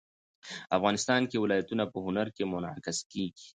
افغانستان کې ولایتونه په هنر کې منعکس کېږي.